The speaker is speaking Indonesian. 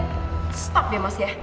berhenti ya mas